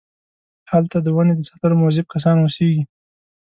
هلته د ونې د ساتلو موظف کسان اوسېږي.